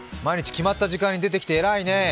毎日決まった時間に出てきて偉いね。